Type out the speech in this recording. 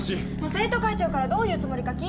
生徒会長からどういうつもりか聞いてきて！